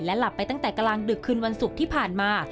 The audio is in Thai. หลับไปตั้งแต่กลางดึกคืนวันศุกร์ที่ผ่านมา